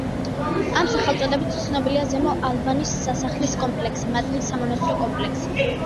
ამ სახელწოდებით ცნობილია ზემო ალვანის სასახლის კომპლექსი, მატნის სამონასტრო კომპლექსი.